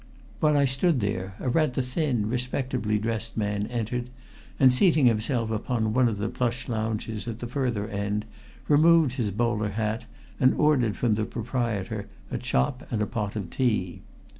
While I stood there a rather thin, respectably dressed man entered, and seating himself upon one of the plush lounges at the further end, removed his bowler hat and ordered from the proprietor a chop and a pot of tea.